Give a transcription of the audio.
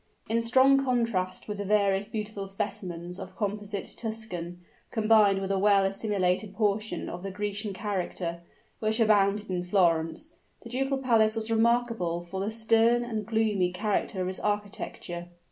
In strong contrast with the various beautiful specimens of composite Tuscan, combined with a well assimilated portion of the Grecian character, which abounded in Florence, the ducal palace was remarkable for the stern and gloomy character of its architecture.